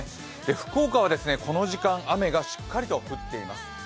福岡はこの時間しっかりと雨が降っています。